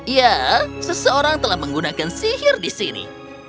ya seseorang telah menggunakan sihir di sini